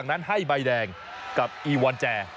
การให้ใบแดงกับอีวัลแจร์